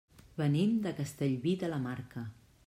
Venim de Castellví de la Marca.